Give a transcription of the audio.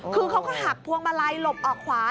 คือเขาก็หักพวงมาลัยหลบออกขวา